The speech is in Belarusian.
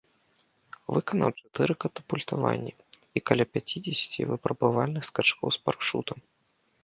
Выканаў чатыры катапультаванні і каля пяцідзесяці выпрабавальных скачкоў з парашутам.